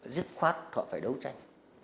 rất khoát họ phải đấu tranh